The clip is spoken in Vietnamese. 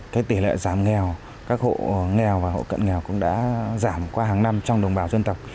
cái tỷ lệ giảm nghèo các hộ nghèo và hộ cận nghèo cũng đã giảm qua hàng năm trong đồng bào dân tộc